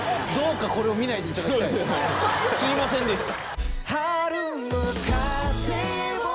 すいませんでした。